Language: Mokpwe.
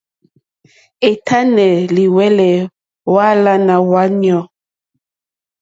È tánɛ́ lìhwɛ́lɛ́ hwáàlánà hwáɲú.